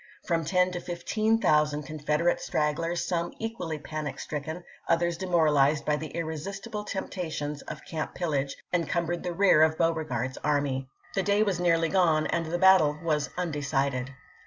From ten to fifteen thousand Confederate stragglers, some equally panic stricken, others demoralized by the irresisti ble temptations of camp pillage, encumbered the rear of Beauregard's army. The day was nearly gone and the battle was undecided.